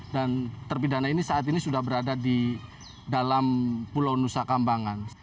dan terpidana ini saat ini sudah berada di dalam pulau nusa kambangan